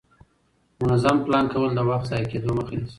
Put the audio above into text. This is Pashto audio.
منظم پلان کول د وخت ضایع کېدو مخه نیسي